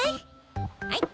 はい。